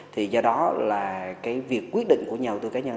thì do đó là cái việc quyết định của nhà đầu tư cá nhân